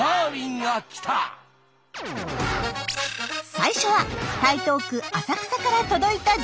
最初は台東区浅草から届いた情報です。